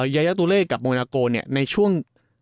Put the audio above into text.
ยายาตูเล่กับมวนาโกเนี่ยในช่วง